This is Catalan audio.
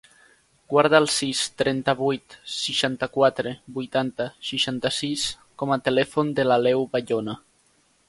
Guarda el sis, trenta-vuit, seixanta-quatre, vuitanta, seixanta-sis com a telèfon de l'Aleu Bayona.